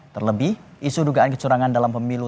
terlebih isu dugaan kecurangan dalam pemilu